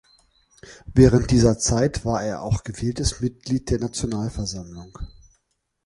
Während dieser Zeit war er auch gewähltes Mitglied der Nationalversammlung.